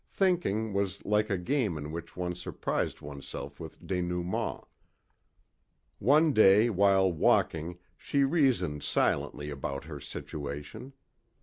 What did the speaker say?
Thinking was like a game in which one surprised oneself with denouements. One day while walking she reasoned silently about her situation.